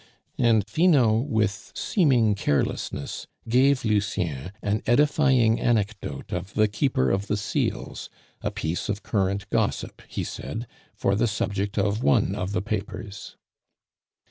And Finot, with seeming carelessness, gave Lucien an edifying anecdote of the Keeper of the Seals, a piece of current gossip, he said, for the subject of one of the papers.